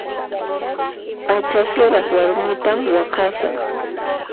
P'acha siraq warmitan waqhasaq.